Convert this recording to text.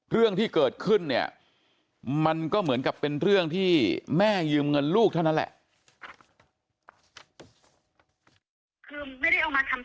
เรื่องที่เกิดขึ้นเนี่ยมันก็เหมือนกับเป็นเรื่องที่แม่ยืมเงินลูกเท่านั้นแหละ